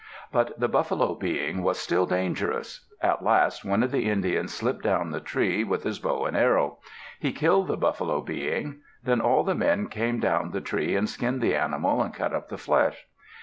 But the Buffalo Being was still dangerous. At last one of the Indians slipped down the tree, with his bow and arrow. He killed the Buffalo Being. Then all the men came down the tree and skinned the animal and cut up the flesh.